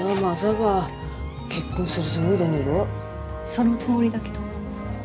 そのつもりだけど。